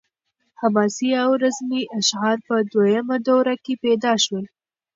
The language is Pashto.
حماسي او رزمي اشعار په دویمه دوره کې پیدا شول.